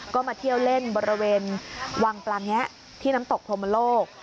ก็มาเที่ยวเล่นบริเวณวังปลาแงะที่น้ำตกพรมโลก